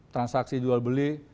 transaksi jual beli